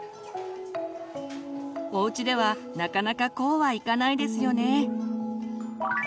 おうちではなかなかこうはいかないですよね。